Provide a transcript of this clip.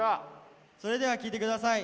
それでは聴いてください